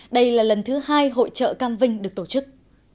đây là lần thứ hai hội trợ cam vinh được tổ chức